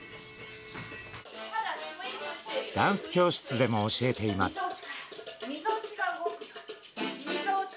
ダンス教室でも教えています。